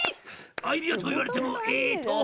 アイデアと言われてもえーと。